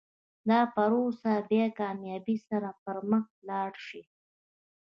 دا پروسه به په کامیابۍ سره پر مخ لاړه شي.